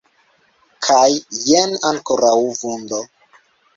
Kaj, jen, ankoraŭ vundo.